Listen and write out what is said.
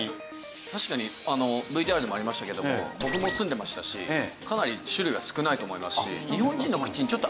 確かにＶＴＲにもありましたけども僕も住んでましたしかなり種類が少ないと思いますし。